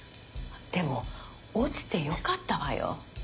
でも落ちてよかったわよ。